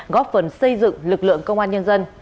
góp phần xây dựng lực lượng công an nhân dân